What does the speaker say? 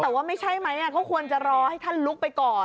แต่ว่าไม่ใช่ไหมเขาควรจะรอให้ท่านลุกไปก่อน